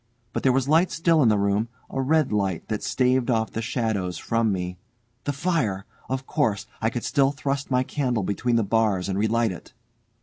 But there was light still in the room, a red light that staved off the shadows from me. The fire! Of course I could still thrust my candle between the bars and relight it!